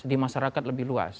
di masyarakat lebih luas